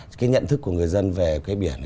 cái nhận thức của người dân về cái biển